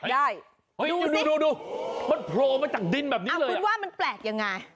ได้ดูมันโผล่มาจากดินแบบนี้เลยคุณว่ามันแปลกยังไง